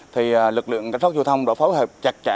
thì lực lượng cảnh sát giao thông đã phối hợp chặt chẽ